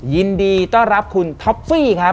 ยินดีต้อนรับคุณท็อฟฟี่ครับ